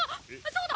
そうだ！